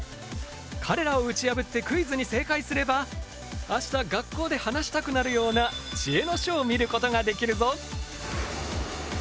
彼らを打ち破ってクイズに正解すれば明日学校で話したくなるような知恵の書を見ることができるぞ！